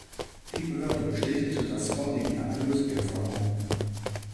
Die Behörde bestätigte das Vorliegen einer Lösegeldforderung.